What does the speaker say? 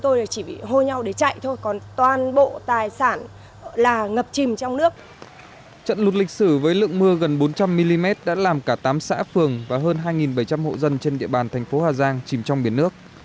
trận lụt lịch sử với lượng mưa gần bốn trăm linh mm đã làm cả tám xã phường và hơn hai bảy trăm linh hộ dân trên địa bàn thành phố hà giang chìm trong biển nước